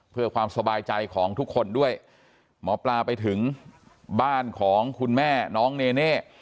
เพื่อความสบายใจของทุกคนด้วยหมอปลาไปถึงบ้านของคุณแม่น้องเนเน่